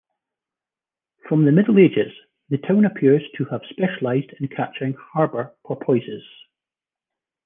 From the Middle Ages, the town appears to have specialized in catching harbour porpoises.